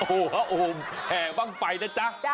โอ้โฮโอ้โฮแห่บ้างไฟนะจ๊ะจ๊ะ